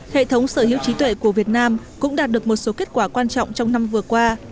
hệ thống sở hữu trí tuệ của việt nam cũng đạt được một số kết quả quan trọng trong năm vừa qua